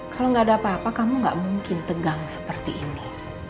kalau gak ada apa apa kamu gak mungkin tegang seperti ini